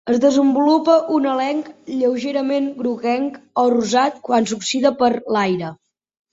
Es desenvolupa un elenc lleugerament groguenc o rosat quan s'oxida per l'aire.